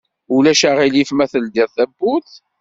Ulac aɣilif ma teldiḍ tawwurt?